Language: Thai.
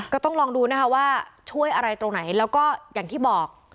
ก็ต้องลองดูนะคะว่าช่วยอะไรตรงไหนแล้วก็อย่างที่บอก